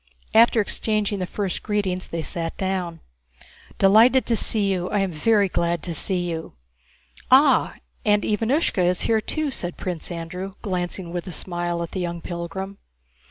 After exchanging the first greetings, they sat down. * "Delighted to see you. I am very glad to see you." "Ah, and Ivánushka is here too!" said Prince Andrew, glancing with a smile at the young pilgrim.